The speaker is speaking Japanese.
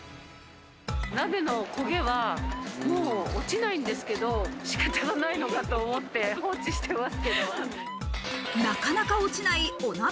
鍋のコゲは落ちないんですけど、仕方がないのかと思って放置しています。